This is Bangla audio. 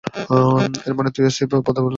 এর মানে তুই স্থায়ীভাবে বাঁধা পড়লি।